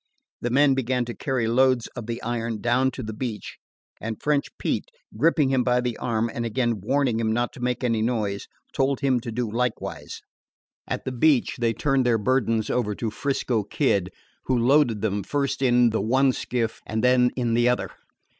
The men began to carry loads of the iron down to the beach, and French Pete, gripping him by the arm and again warning him not to make any noise, told him to do likewise. At the beach they turned their burdens over to 'Frisco Kid, who loaded them, first in the one skiff and then in the other.